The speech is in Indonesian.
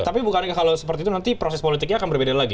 tapi bukannya kalau seperti itu nanti proses politiknya akan berbeda lagi